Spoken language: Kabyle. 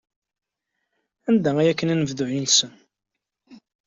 Anda ay kkan anebdu-nsen?